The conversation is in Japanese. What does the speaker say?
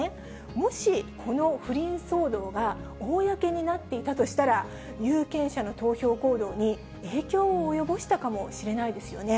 もしこの不倫騒動が公になっていたとしたら、有権者の投票行動に影響を及ぼしたかもしれないですよね。